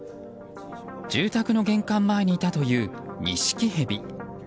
住宅の玄関前にいたというニシキヘビ。